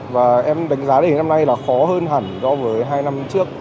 và em đánh giá đề năm nay là khó hơn hẳn so với hai năm trước